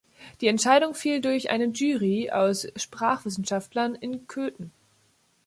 Die Entscheidung fiel durch eine Jury aus Sprachwissenschaftlern in Köthen.